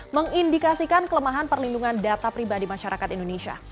mengindikasikan kelemahan perlindungan data pribadi masyarakat indonesia